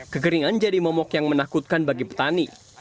kekeringan jadi momok yang menakutkan bagi petani